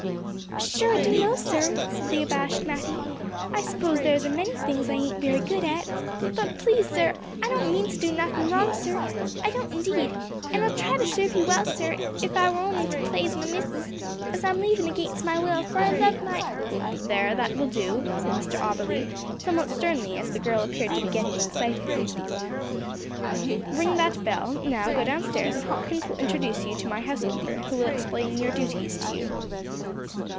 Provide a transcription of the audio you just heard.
"Sure I don't know, sir," said the abashed Matty. "I s'pose there's a many things I ain't very good at; but, please, sir, I don't mean to do nothin' wrong, sir, I don't indeed; an' I'll try to serve you well, sir, if it wor only to plaaze my missis, as I'm leavin' against my will, for I love my " "There, that will do," said Mr Auberly somewhat sternly, as the girl appeared to be getting excited. "Ring that bell; now, go downstairs and Hopkins will introduce you to my housekeeper, who will explain your duties to you."